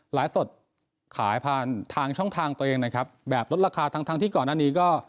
ไลฟ์สดขายผ่านทางช่องทางตัวเองนะครับแบบลดราคาทั้งทั้งที่ก่อนหน้านี้ก็